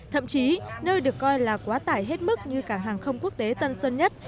thậm chí nơi được coi là quá tải hết mức như cảng hàng không quốc tế tân sơn nhất